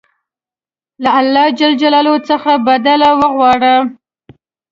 له الله ج څخه بدله وغواړه.